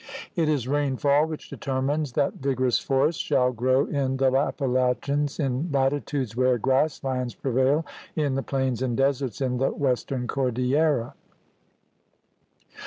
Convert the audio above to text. It is rain fall which determines that vigorous forests shall grow in the Appalachians in latitudes where grass lands prevail in the plains and deserts in the western cordillera.